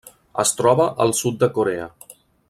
Es troba al sud de Corea.